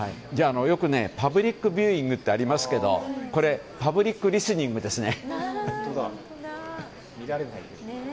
よくパブリックビューイングってありますけどパブリックリスニングですね。